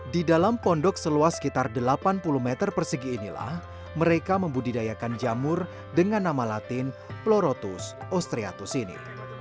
di dalam pondok seluas sekitar delapan puluh meter persegi inilah mereka membudidayakan jamur dengan nama latin plorotus ostriatus ini